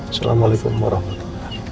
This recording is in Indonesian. assalamualaikum warahmatullahi wabarakatuh